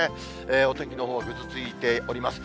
お天気のほう、ぐずついております。